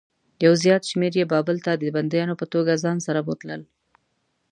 یو زیات شمېر یې بابل ته د بندیانو په توګه ځان سره بوتلل.